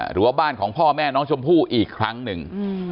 หรือว่าบ้านของพ่อแม่น้องชมพู่อีกครั้งหนึ่ง